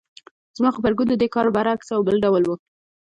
زما غبرګون د دې کار برعکس او بل ډول و.